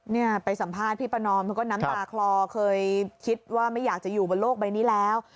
เนี่ยไปสัมภาษณ์พี่ประนอมเขาก็น้ำตาคลอเคยคิดว่าไม่อยากจะอยู่บนโลกใบนี้แล้ว